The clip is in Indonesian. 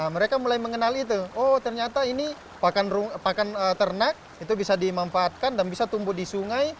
mereka mulai mengenal itu oh ternyata ini pakan ternak itu bisa dimanfaatkan dan bisa tumbuh di sungai